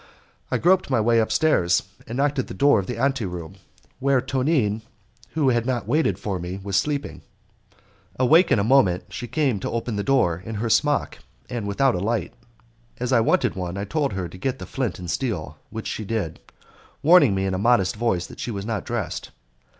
I groped my way upstairs and knocked at the door of the ante room, where Tonine, who had not waited for me, was sleeping. Awake in a moment she came to open the door in her smock, and without a light. As I wanted one, I told her to get the flint and steel, which she did, warning me in a modest voice that she was not dressed.